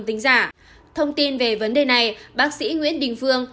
thông tin về vấn đề này bác sĩ nguyễn đình phương